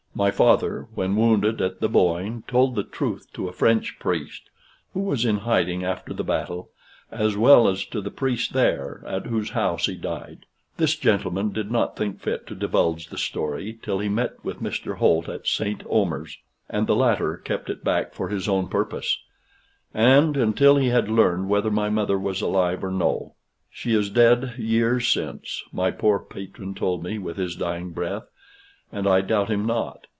"My father, when wounded at the Boyne, told the truth to a French priest, who was in hiding after the battle, as well as to the priest there, at whose house he died. This gentleman did not think fit to divulge the story till he met with Mr. Holt at Saint Omer's. And the latter kept it back for his own purpose, and until he had learned whether my mother was alive or no. She is dead years since, my poor patron told me with his dying breath, and I doubt him not.